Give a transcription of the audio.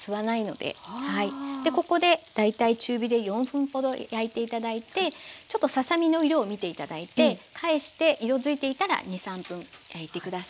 でここで大体中火で４分ほど焼いて頂いてちょっとささ身の色を見て頂いて返して色づいていたら２３分焼いて下さい。